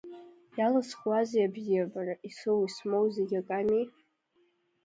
Иалысхузеи абзиабара, исоу исмоу зегь аками!